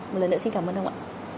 một lần nữa xin cảm ơn ông ạ